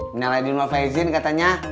minalah di rumah faizin katanya